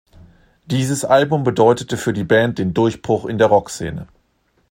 Dieses Album bedeutete für die Band den Durchbruch in der Rock-Szene.